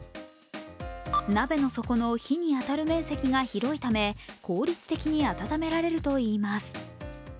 鍋の底の火に当たる面積が広いため、効率的に温められるといいます。